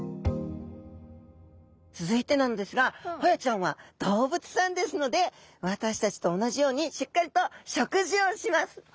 続いてなんですがホヤちゃんは動物さんですので私たちと同じようにしっかりと食事をします。